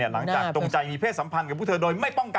จงใจมีเพศสัมพันธ์กับพวกเธอโดยไม่ป้องกัน